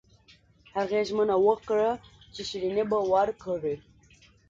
هغې ژمنه وکړه چې شیریني به ورکړي